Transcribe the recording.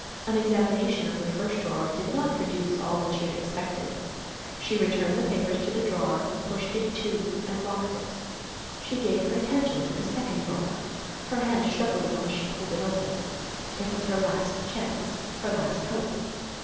An examination of the first drawer did not produce all that she had expected. She returned the papers to the drawer, pushed it to and locked it. She gave her attention to the second drawer. Her hand shook a little as she pulled it open. It was her last chance, her last hope.